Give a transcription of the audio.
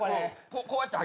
こうやって。